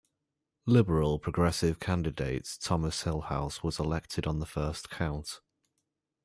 Liberal-Progressive candidate Thomas Hillhouse was elected on the first count.